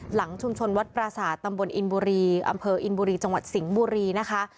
หลังชุมชนวัดปราศาสตร์ตำบลอินบุรีอำเภออินบุรีจังหวัดสิงห์บุรีนะคะ